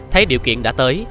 thấy điều kiện đã tới